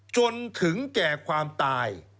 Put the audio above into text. จนถึงแก่ความตาย